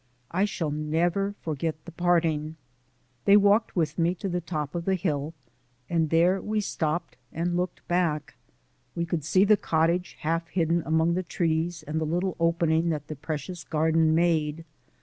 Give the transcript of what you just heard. I shall never forget the parting. They walked with me to the top of the hill, and there we stopped and looked back. We could see the cottage half hidden among the trees, and the little opening that the precious garden made.